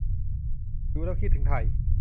ดูแล้วคิดถึงไทย